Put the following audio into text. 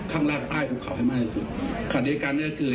ข้างล่างใต้ทุกเข่าให้มากที่สุดขณะเดียวกันนี่ก็คือ